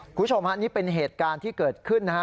คุณผู้ชมอันนี้เป็นเหตุการณ์ที่เกิดขึ้น